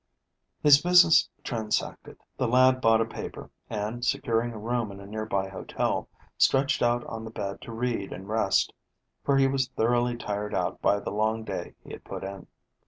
His business transacted, the lad bought a paper, and, securing a room in a nearby hotel, stretched out on the bed to read and rest, for he was thoroughly tired out by the long day he had put in.